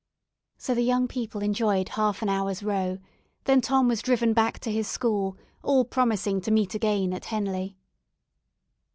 So the young people enjoyed a half hour's row; then Tom was driven back to his school, all promising to meet again at Henley.